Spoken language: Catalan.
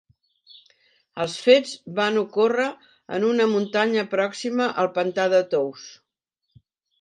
Els fets van ocórrer en una muntanya pròxima al pantà de Tous.